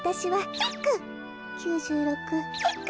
ヒック。